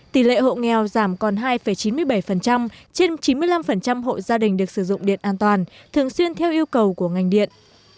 tỷ lệ hộ nghèo giảm còn hai chín mươi bảy trên chín mươi năm hộ gia đình được sử dụng điện an toàn thường xuyên theo yêu cầu của ngành điện